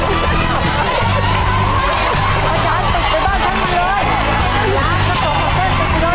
ดีนะครับแล้วก็ขอขอบคุณทุกคนใหม่ทุกที่รักทุกที่รักขอบคุณทุกคนนะครับ